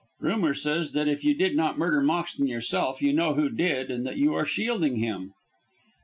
"Rumour says that if you did not murder Moxton yourself you know who did, and that you are shielding him."